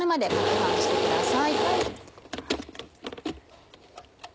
はい。